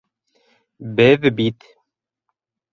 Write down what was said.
Беҙ бит...